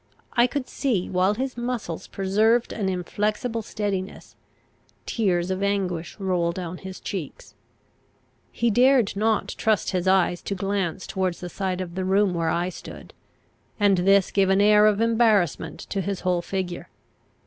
I could see, while his muscles preserved an inflexible steadiness, tears of anguish roll down his cheeks. He dared not trust his eyes to glance towards the side of the room where I stood; and this gave an air of embarrassment to his whole figure.